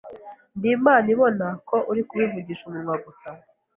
ndi Imana ibona ko uri kubivugisha umunwa gusa,